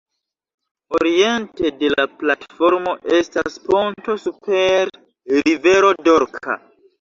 Oriente de la platformo estas ponto super rivero Dorka.